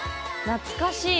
懐かしい。